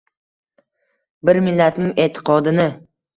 Bir Millatning e’tiqodini